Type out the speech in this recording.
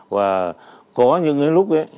và có những lúc